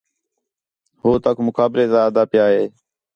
ہُو تؤک مقابلے تا آہدا پِیا ہِے